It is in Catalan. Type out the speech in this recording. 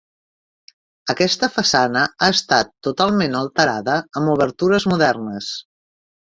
Aquesta façana ha estat totalment alterada amb obertures modernes.